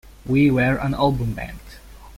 We were an album band.